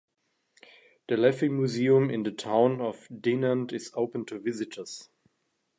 The Leffe museum in the town of Dinant is open to visitors.